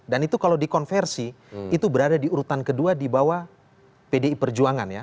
dan itu kalau dikonversi itu berada di urutan kedua di bawah pdi perjuangan ya